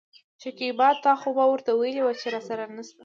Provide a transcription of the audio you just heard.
شکيبا : تا خو به ورته وويلي وو چې راسره نشته.